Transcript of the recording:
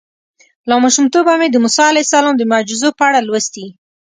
له ماشومتوبه مې د موسی علیه السلام د معجزو په اړه لوستي.